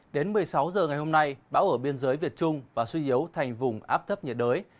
đến một mươi sáu h ngày hôm nay bão ở biên giới việt trung và suy yếu thành vùng áp thấp nhiệt đới